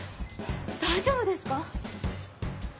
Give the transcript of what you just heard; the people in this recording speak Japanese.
大丈夫ですか？